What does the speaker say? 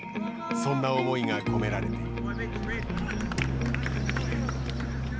そんな思いが込められている。